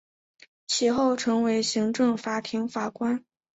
其后成为行政法庭法官。